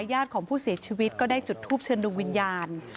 ญาติของผู้เสียชีวิตก็ได้จุดทูปเชิญดวงวิญญาณ